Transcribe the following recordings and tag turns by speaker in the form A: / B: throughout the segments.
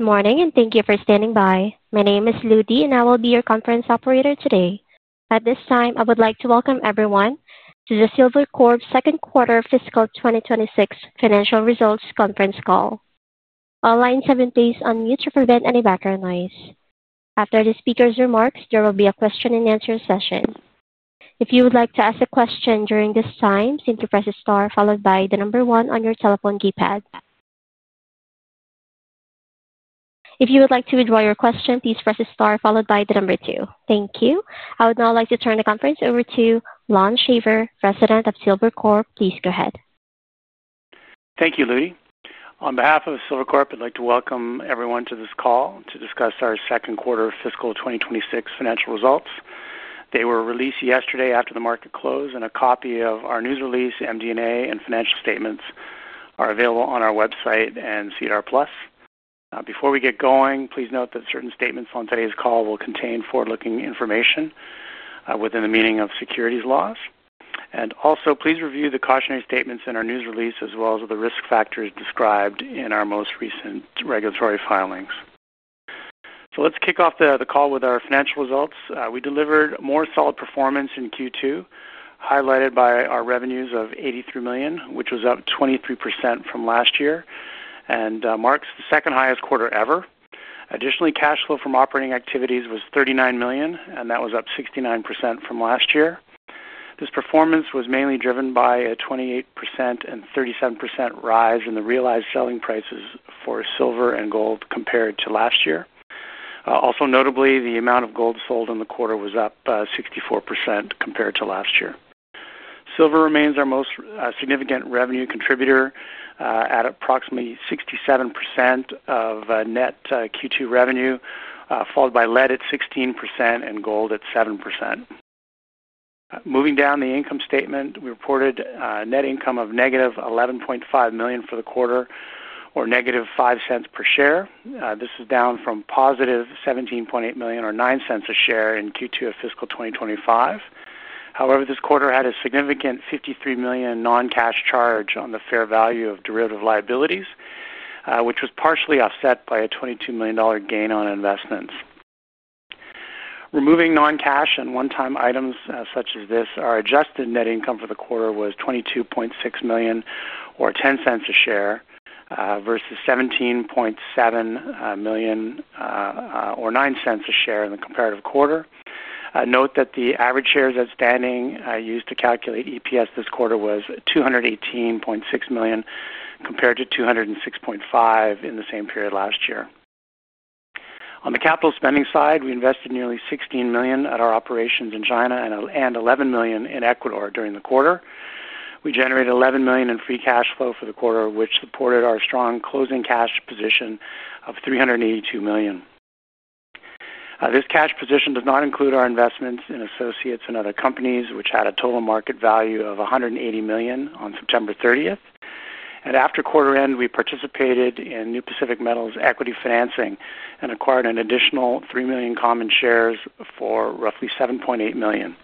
A: Good morning, and thank you for standing by. My name is Ludi, and I will be your conference operator today. At this time, I would like to welcome everyone to the Silvercorp Second Quarter Fiscal 2026 Financial Results Conference Call. All lines have been placed on mute to prevent any background noise. After the speaker's remarks, there will be a question-and-answer session. If you would like to ask a question during this time, simply press the star followed by the number one on your telephone keypad. If you would like to withdraw your question, please press the star followed by the number two. Thank you. I would now like to turn the conference over to Lon Shaver, President of Silvercorp. Please go ahead.
B: Thank you, Ludi. On behalf of Silvercorp, I'd like to welcome everyone to this call to discuss our Second Quarter Fiscal 2026 Financial Results. They were released yesterday after the market close, and a copy of our news release, MD&A, and financial statements are available on our website and CDR Plus. Before we get going, please note that certain statements on today's call will contain forward-looking information within the meaning of securities laws. Also, please review the cautionary statements in our news release as well as the risk factors described in our most recent regulatory filings. Let's kick off the call with our financial results. We delivered more solid performance in Q2, highlighted by our revenues of $83 million, which was up 23% from last year, and marks the second highest quarter ever. Additionally, cash flow from operating activities was $39 million, and that was up 69% from last year. This performance was mainly driven by a 28% and 37% rise in the realized selling prices for silver and gold compared to last year. Also, notably, the amount of gold sold in the quarter was up 64% compared to last year. Silver remains our most significant revenue contributor at approximately 67% of net Q2 revenue, followed by lead at 16% and gold at 7%. Moving down the income statement, we reported net income of -$11.5 million for the quarter, or -$0.05 per share. This is down from +$17.8 million, or $0.09 a share, in Q2 of fiscal 2025. However, this quarter had a significant $53 million non-cash charge on the fair value of derivative liabilities, which was partially offset by a $22 million gain on investments. Removing non-cash and one-time items such as this, our adjusted net income for the quarter was $22.6 million, or $0.10 a share, versus $17.7 million, or $0.09 a share in the comparative quarter. Note that the average shares outstanding used to calculate EPS this quarter was 218.6 million compared to 206.5 million in the same period last year. On the capital spending side, we invested nearly $16 million at our operations in China and $11 million in Ecuador during the quarter. We generated $11 million in free cash flow for the quarter, which supported our strong closing cash position of $382 million. This cash position does not include our investments in associates and other companies, which had a total market value of $180 million on September 30th. After quarter end, we participated in New Pacific Metals' equity financing and acquired an additional 3 million common shares for roughly $7.8 million.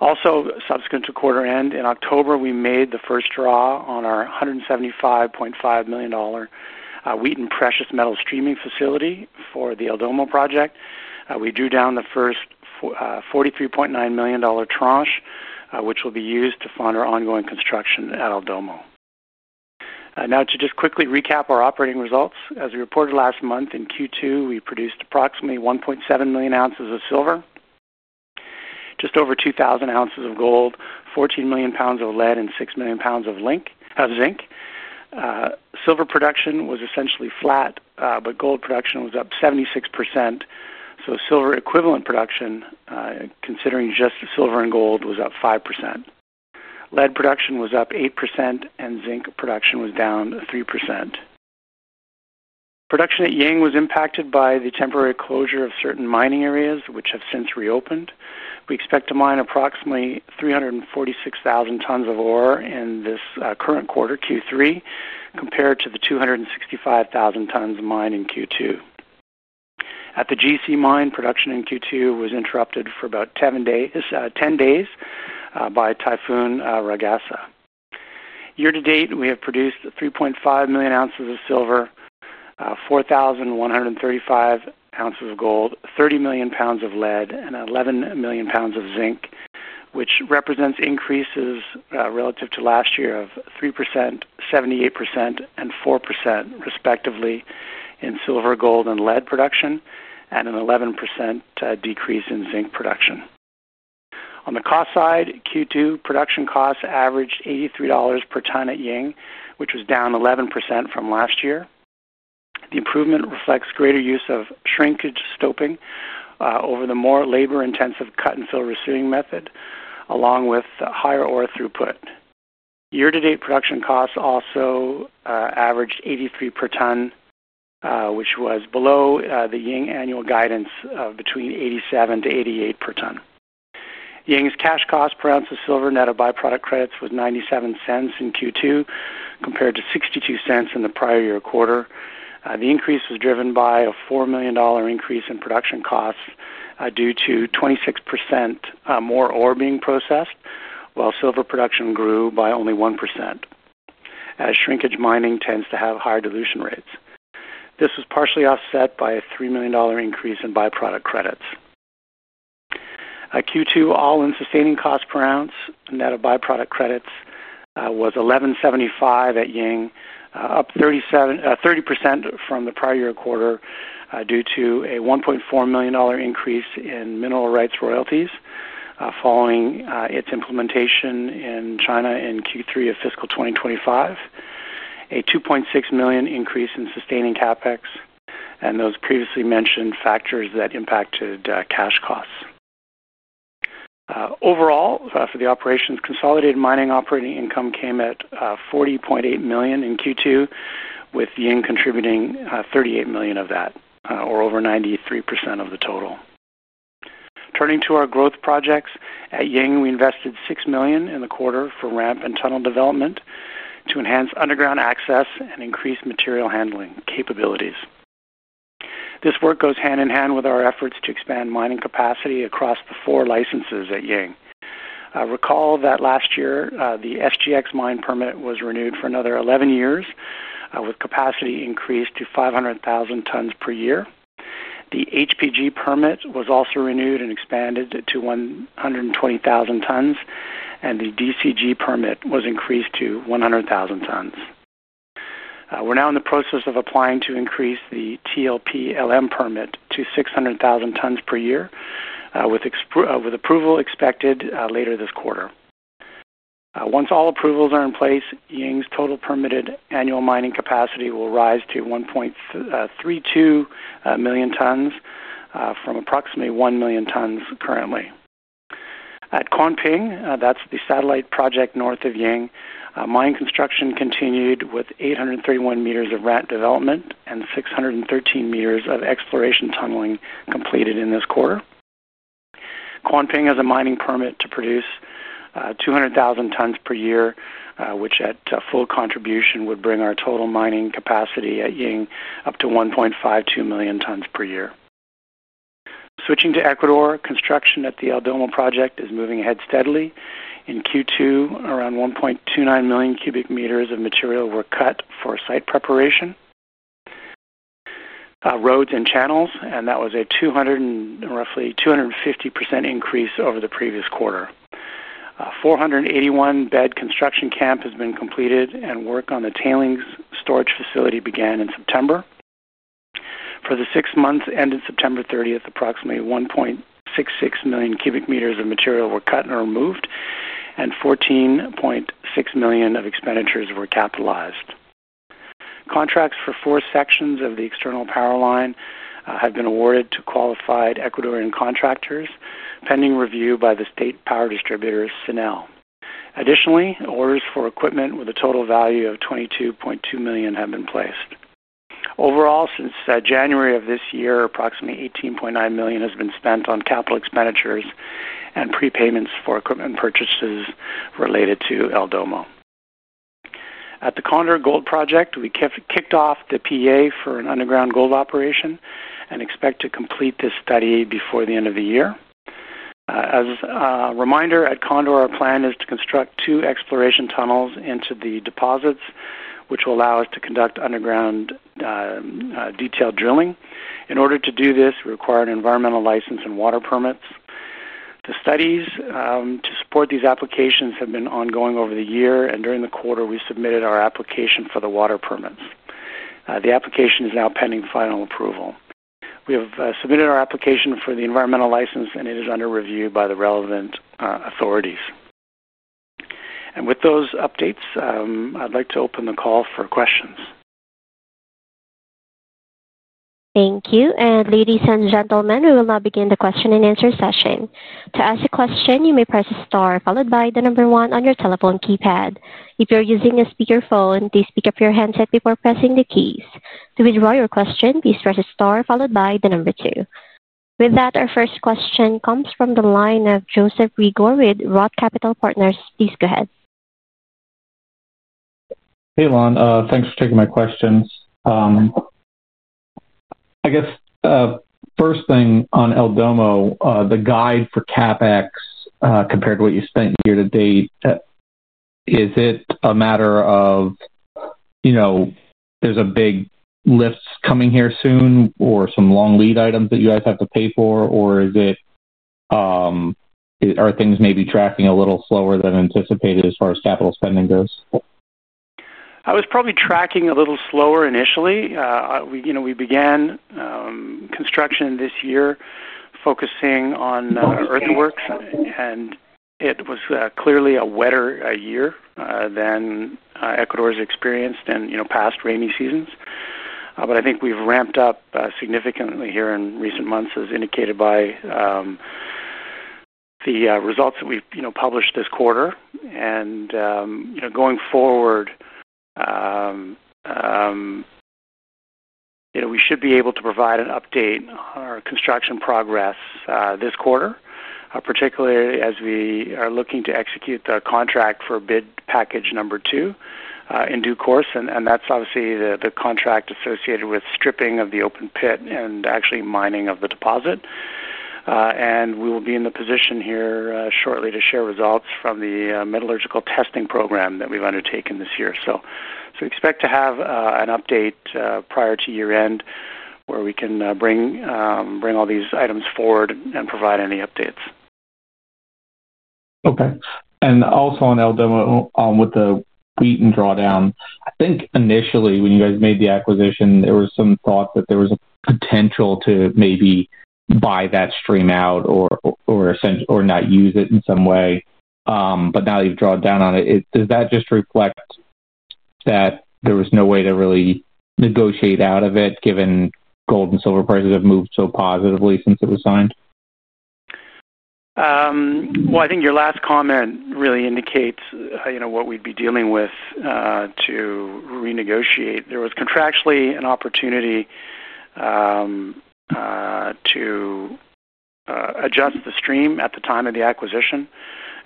B: Also, subsequent to quarter end, in October, we made the first draw on our $175.5 million Wheaton Precious Metals streaming facility for the El Domo project. We drew down the first $43.9 million tranche, which will be used to fund our ongoing construction at El Domo. Now, to just quickly recap our operating results. As we reported last month, in Q2, we produced approximately 1.7 million ounces of silver, just over 2,000 ounces of gold, 14 million lbs of lead, and 6 million lbs of zinc. Silver production was essentially flat, but gold production was up 76%. Silver equivalent production, considering just silver and gold, was up 5%. Lead production was up 8%, and zinc production was down 3%. Production at Ying was impacted by the temporary closure of certain mining areas, which have since reopened. We expect to mine approximately 346,000 tons of ore in this current quarter, Q3, compared to the 265,000 tons mined in Q2. At the GC mine, production in Q2 was interrupted for about 10 days by Typhoon Ragasa. Year-to-date, we have produced 3.5 million ounces of silver, 4,135 ounces of gold, 30 million lbs of lead, and 11 million lbs of zinc, which represents increases relative to last year of 3%, 78%, and 4%, respectively, in silver, gold, and lead production, and an 11% decrease in zinc production. On the cost side, Q2 production costs averaged $83 per ton at Ying, which was down 11% from last year. The improvement reflects greater use of shrinkage stoping over the more labor-intensive cut-and-fill receiving method, along with higher ore throughput. Year-to-date production costs also averaged $83 per ton, which was below the Ying annual guidance of between $87-$88 per ton. Ying's cash cost per ounce of silver net of byproduct credits was $0.97 in Q2, compared to $0.62 in the prior year quarter. The increase was driven by a $4 million increase in production costs due to 26% more ore being processed, while silver production grew by only 1%, as shrinkage mining tends to have higher dilution rates. This was partially offset by a $3 million increase in byproduct credits. Q2 all-in sustaining cost per ounce net of byproduct credits was $11.75 at Ying, up 30% from the prior year quarter due to a $1.4 million increase in mineral rights royalties following its implementation in China in Q3 of fiscal 2025, a $2.6 million increase in sustaining CapEx, and those previously mentioned factors that impacted cash costs. Overall, for the operations, consolidated mining operating income came at $40.8 million in Q2, with Ying contributing $38 million of that, or over 93% of the total. Turning to our growth projects, at Ying, we invested $6 million in the quarter for ramp and tunnel development to enhance underground access and increase material handling capabilities. This work goes hand in hand with our efforts to expand mining capacity across the four licenses at Ying. Recall that last year, the SGX mine permit was renewed for another 11 years, with capacity increased to 500,000 tons per year. The HPG permit was also renewed and expanded to 120,000 tons, and the DCG permit was increased to 100,000 tons. We're now in the process of applying to increase the TLP-LM permit to 600,000 tons per year, with approval expected later this quarter. Once all approvals are in place, Ying's total permitted annual mining capacity will rise to 1.32 million tons from approximately 1 million tons currently. At Quanping, that's the satellite project north of Ying, mining construction continued with 831 m of ramp development and 613 meters of exploration tunneling completed in this quarter. Quanping has a mining permit to produce 200,000 tons per year, which at full contribution would bring our total mining capacity at Ying up to 1.52 million tons per year. Switching to Ecuador, construction at the El Domo project is moving ahead steadily. In Q2, around 1.29 million cubic meters of material were cut for site preparation, roads, and channels, and that was a roughly 250% increase over the previous quarter. A 481-bed construction camp has been completed, and work on the tailings storage facility began in September. For the six months ended September 30th, approximately 1.66 million cubic meters of material were cut and removed, and $14.6 million of expenditures were capitalized. Contracts for four sections of the external power line have been awarded to qualified Ecuadorian contractors, pending review by the state power distributor, CINEL. Additionally, orders for equipment with a total value of $22.2 million have been placed. Overall, since January of this year, approximately $18.9 million has been spent on capital expenditures and prepayments for equipment purchases related to El Domo. At the Condor gold project, we kicked off the PA for an underground gold operation and expect to complete this study before the end of the year. As a reminder, at Condor, our plan is to construct two exploration tunnels into the deposits, which will allow us to conduct underground detailed drilling. In order to do this, we require an environmental license and water permits. The studies to support these applications have been ongoing over the year, and during the quarter, we submitted our application for the water permits. The application is now pending final approval. We have submitted our application for the environmental license, and it is under review by the relevant authorities. With those updates, I'd like to open the call for questions.
A: Thank you. Ladies and gentlemen, we will now begin the question-and-answer session. To ask a question, you may press the star followed by the number one on your telephone keypad. If you're using a speakerphone, please pick up your handset before pressing the keys. To withdraw your question, please press the star followed by the number two. With that, our first question comes from the line of Joseph Reagor with Roth Capital Partners. Please go ahead.
C: Hey, Lon. Thanks for taking my questions. I guess first thing on El Domo, the guide for CapEx compared to what you spent year to date, is it a matter of there's a big lift coming here soon or some long lead items that you guys have to pay for, or are things maybe tracking a little slower than anticipated as far as capital spending goes?
B: I was probably tracking a little slower initially. We began construction this year focusing on earthworks, and it was clearly a wetter year than Ecuador's experienced in past rainy seasons. I think we've ramped up significantly here in recent months, as indicated by the results that we've published this quarter. Going forward, we should be able to provide an update on our construction progress this quarter, particularly as we are looking to execute the contract for bid package number two in due course. That's obviously the contract associated with stripping of the open pit and actually mining of the deposit. We will be in the position here shortly to share results from the metallurgical testing program that we've undertaken this year. We expect to have an update prior to year-end where we can bring all these items forward and provide any updates.
C: Okay. Also on El Domo with the Wheaton drawdown, I think initially when you guys made the acquisition, there was some thought that there was a potential to maybe buy that stream out or not use it in some way. Now that you've drawn down on it, does that just reflect that there was no way to really negotiate out of it, given gold and silver prices have moved so positively since it was signed?
B: I think your last comment really indicates what we'd be dealing with to renegotiate. There was contractually an opportunity to adjust the stream at the time of the acquisition.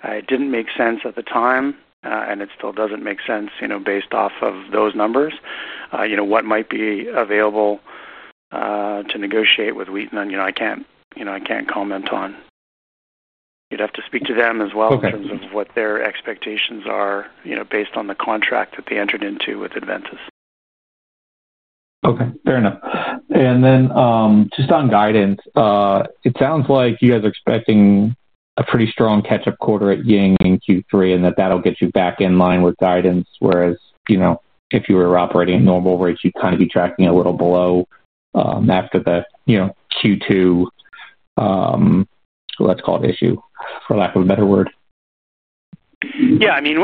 B: It didn't make sense at the time, and it still doesn't make sense based off of those numbers. What might be available to negotiate with Wheaton, I can't comment on. You'd have to speak to them as well in terms of what their expectations are based on the contract that they entered into with Adventus.
C: Okay. Fair enough. Just on guidance, it sounds like you guys are expecting a pretty strong catch-up quarter at Ying in Q3 and that that'll get you back in line with guidance, whereas if you were operating at normal rates, you'd kind of be tracking a little below after the Q2, let's call it, issue, for lack of a better word.
B: Yeah. I mean,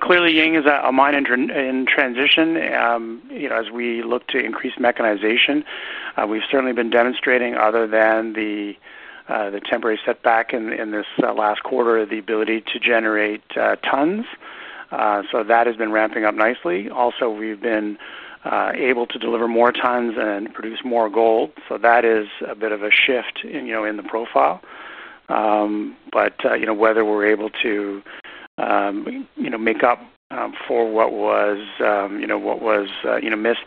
B: clearly, Ying is a mine in transition. As we look to increase mechanization, we've certainly been demonstrating, other than the temporary setback in this last quarter, the ability to generate tons. That has been ramping up nicely. Also, we've been able to deliver more tons and produce more gold. That is a bit of a shift in the profile. Whether we're able to make up for what was missed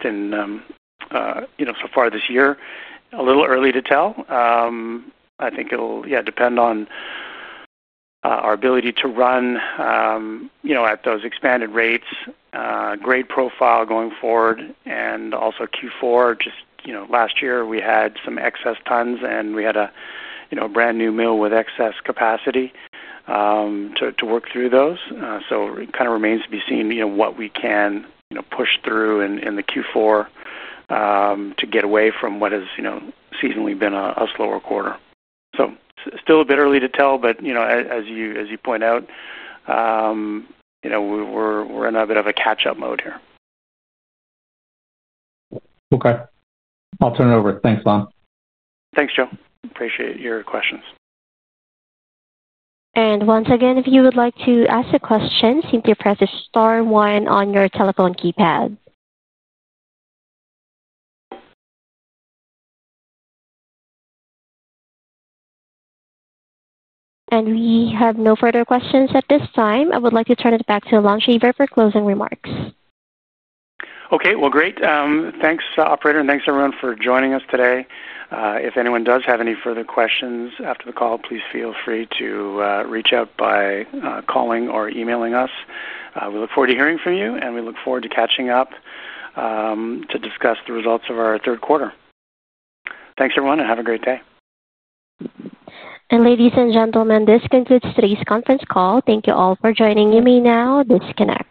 B: so far this year, a little early to tell. I think it'll, yeah, depend on our ability to run at those expanded rates, grade profile going forward, and also Q4. Just last year, we had some excess tons, and we had a brand new mill with excess capacity to work through those. It kind of remains to be seen what we can push through in Q4 to get away from what has seasonally been a slower quarter. Still a bit early to tell, but as you point out, we're in a bit of a catch-up mode here.
C: Okay. I'll turn it over. Thanks, Lon.
B: Thanks, Joe. Appreciate your questions.
A: If you would like to ask a question, simply press the star one on your telephone keypad. We have no further questions at this time. I would like to turn it back to Lon Shaver for closing remarks.
B: Okay. Great. Thanks, operator, and thanks, everyone, for joining us today. If anyone does have any further questions after the call, please feel free to reach out by calling or emailing us. We look forward to hearing from you, and we look forward to catching up to discuss the results of our third quarter. Thanks, everyone, and have a great day.
A: Ladies and gentlemen, this concludes today's conference call. Thank you all for joining me. This can end.